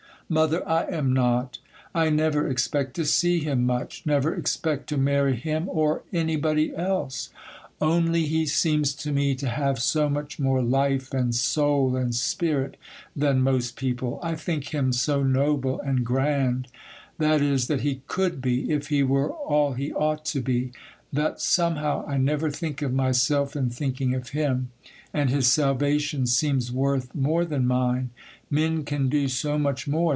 'Mother, I am not. I never expect to see him much,—never expect to marry him or anybody else;—only he seems to me to have so much more life and soul and spirit than most people,—I think him so noble and grand,—that is, that he could be, if he were all he ought to be,—that, somehow, I never think of myself in thinking of him, and his salvation seems worth more than mine;—men can do so much more!